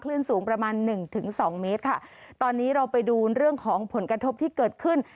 คลื่นสูงประมาณ๑๒เมตรค่ะตอนนี้เราไปดูเรื่องของผลกระทบที่เกิดขึ้น